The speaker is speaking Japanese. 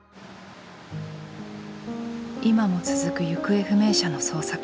今も続く行方不明者の捜索。